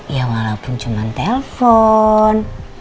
ya walaupun cuma telfon